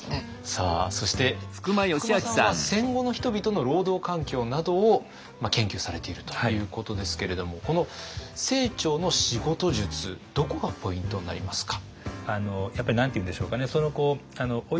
さあそして福間さんは戦後の人々の労働環境などを研究されているということですけれどもこの清張の仕事術どこがポイントになりますか？